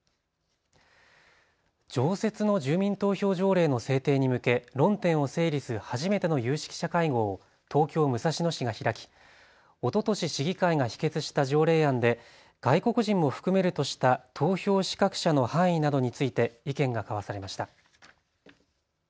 常設の住民投票条例の制定に向け論点を整理する初めての有識者会合を東京武蔵野市が開きおととし市議会が否決した条例案で外国人も含めるとした投票資格者の範囲などについて意見が交わされました。